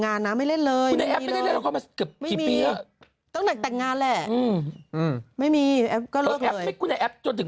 งานนะไม่เล่นเลยไม่มีตั้งแต่งงานแหละอืมไม่มีแอฟจนถึง